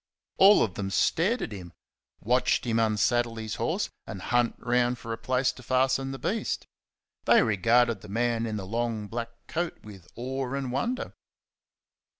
All of them stared at him; watched him unsaddle his horse and hunt round for a place to fasten the beast. They regarded the man in the long black coat with awe and wonder.